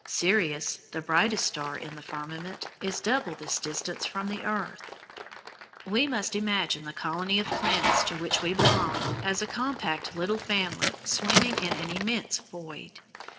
Sirius, the brightest star in the firmament, is double this distance from the earth. We must imagine the colony of planets to which we belong as a compact little family swimming in an immense void.